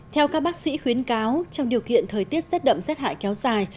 theo các bác sĩ khuyến cáo trong điều kiện thời tiết rất đậm rất hại kéo dài